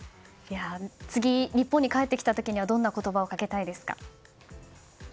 次、日本に帰ってきた時にはどんな言葉をかけたいですか。